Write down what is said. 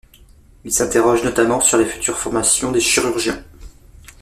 Il s’interroge notamment sur les futures formations des chirurgiens.